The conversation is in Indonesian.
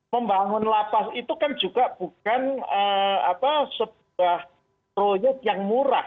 membangun lapas itu kan juga bukan sebuah proyek yang murah